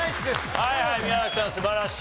はいはい宮崎さん素晴らしい。